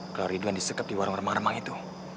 kalau ridwan disekap di warung remang remang itu